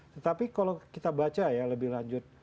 tetapi kalau kita baca ya lebih lanjut